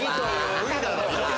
無理だろ！